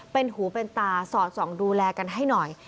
เป็นหูเป็นตาสอดส่องดูแลกันให้หน่อย